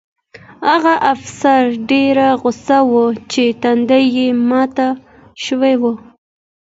هغه افسر ډېر غوسه و چې ټنډه یې ماته شوې وه